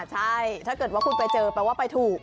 ใช่ถ้าเกิดว่าคุณไปเจอแปลว่าไปถูก